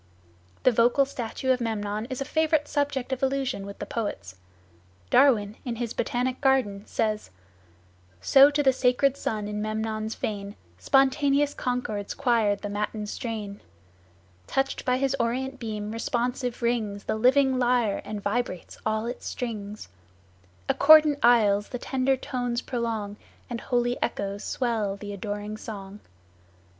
The vocal statue of Memnon is a favorite subject of allusion with the poets. Darwin, in his "Botanic Garden," says: "So to the sacred Sun in Memnon's fane Spontaneous concords choired the matin strain; Touched by his orient beam responsive rings The living lyre and vibrates all its strings; Accordant aisles the tender tones prolong, And holy echoes swell the adoring song."